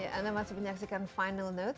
ini anda masih menyaksikan final news